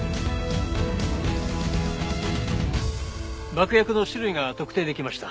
爆薬の種類が特定できました。